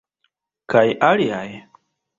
Kaj aliaj?